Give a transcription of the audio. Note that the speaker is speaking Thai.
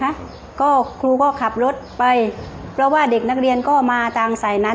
นะก็ครูก็ขับรถไปเพราะว่าเด็กนักเรียนก็มาทางสายนั้น